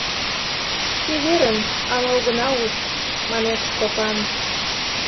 Чеверын — ала огына уж, — манеш Стопан.